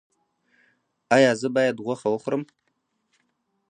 ایا زه باید غوښه وخورم؟